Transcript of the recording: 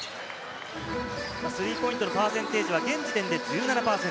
スリーポイントのパーセンテージは現時点で１７％。